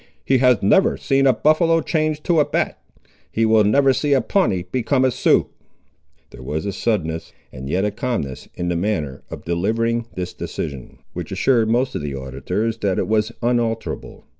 "He has never seen a buffaloe change to a bat. He will never see a Pawnee become a Sioux!" There was a suddenness, and yet a calmness in the manner of delivering this decision, which assured most of the auditors that it was unalterable.